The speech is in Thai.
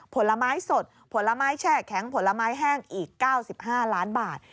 ผลไม้สดผลไม้แช่แข็งผลไม้แห้งอีก๙๕ล้านบาท